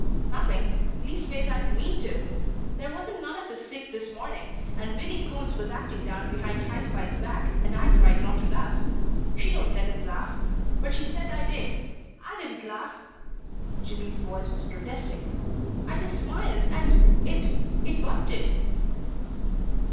"Nothing leastways I didn't mean to. There wasn't none of us sick this morning, and Billy Coons was acting down behind High Spy's back, and I tried not to laugh. She don't let us laugh. But she said I did. I didn't laugh " Jimmy's voice was protesting. "I just smiled and it it busted."